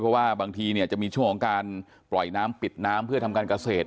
เพราะว่าบางทีเนี่ยจะมีช่วงของการปล่อยน้ำปิดน้ำเพื่อทำการเกษตร